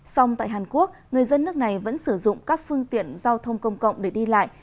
song tại hàn quốc người dân nước này vẫn sử dụng các phương tiện giao thông công cộng để đi lại